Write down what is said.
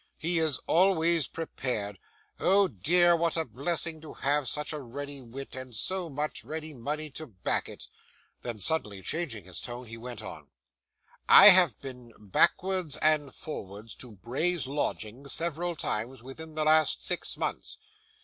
'He is always prepared! Oh dear, what a blessing to have such a ready wit, and so much ready money to back it!' Then, suddenly changing his tone, he went on: 'I have been backwards and forwards to Bray's lodgings several times within the last six months.